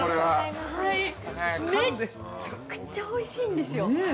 めっちゃくちゃおいしいんですよ。